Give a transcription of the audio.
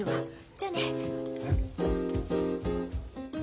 じゃあね。え？